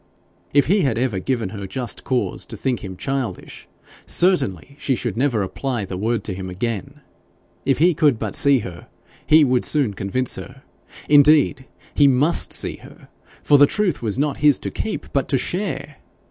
If he had ever given her just cause to think him childish, certainly she should never apply the word to him again! If he could but see her, he would soon convince her indeed he MUST see her for the truth was not his to keep, but to share!